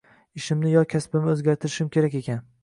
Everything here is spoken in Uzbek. - Ishimni yo kasbimni o'zgartirishim kerak ekan